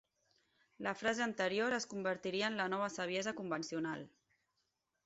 La frase anterior es convertiria en la nova saviesa convencional.